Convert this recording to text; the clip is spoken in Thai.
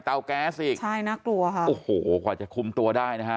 แก๊สอีกใช่น่ากลัวค่ะโอ้โหกว่าจะคุมตัวได้นะฮะ